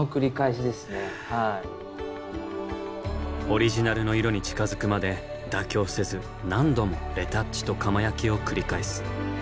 オリジナルの色に近づくまで妥協せず何度もレタッチと窯焼きを繰り返す。